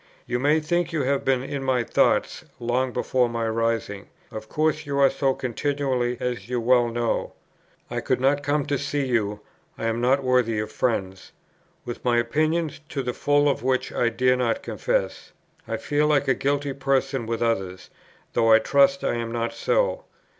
You may think you have been in my thoughts, long before my rising. Of course you are so continually, as you well know. I could not come to see you; I am not worthy of friends. With my opinions, to the full of which I dare not confess, I feel like a guilty person with others, though I trust I am not so.